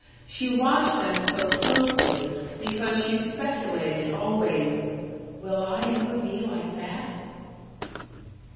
She watched them so closely because she speculated always, "Will I ever be like that?"